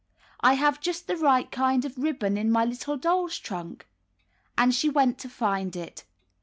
''I have just the right kind of ribbon in my httle doll's trunk." And she went to find it.